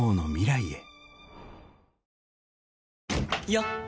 よっ！